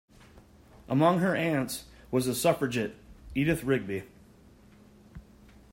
Among her aunts was the suffragette Edith Rigby.